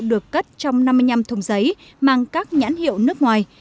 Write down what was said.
được cất trong năm mươi năm thùng giấy mang các nhãn hiệu nước ngoài